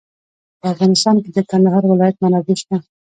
په افغانستان کې د کندهار ولایت منابع شته.